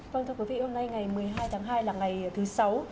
vâng thưa quý vị hôm nay ngày một mươi hai tháng hai là ngày thứ sáu